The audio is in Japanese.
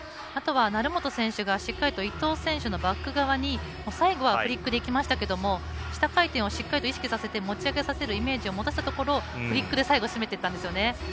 あとは、成本選手がしっかりと伊藤選手のバック側に最後はフリックでいきましたけど下回転をしっかりと意識させて持ち上げさせるイメージを持たせたところ持たせたところフリックで最後締めていったんですよね。